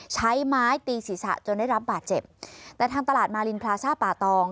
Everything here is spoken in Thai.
ใช้ไม้ตีศีรษะจนได้รับบาดเจ็บแต่ทางตลาดมารินพลาซ่าป่าตอง